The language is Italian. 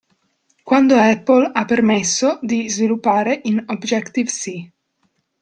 Quando Apple ha permesso di sviluppare in Objective-C.